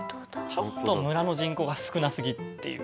ちょっと村の人口が少なすぎっていう。